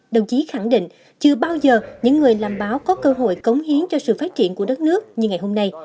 đồng chí khẳng định chưa bao giờ những người làm báo có cơ hội cống hiến cho sự phát triển của đất nước như ngày hôm nay